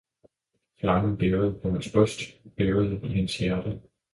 flammen bævede på hans bryst, bævede i hans hjerte.